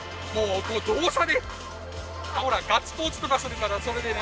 ほらガッツポーズとかするからそれでね。